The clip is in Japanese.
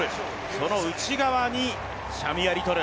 その内側にシャミア・リトル。